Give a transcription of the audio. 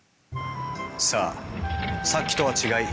さあさっきとは違い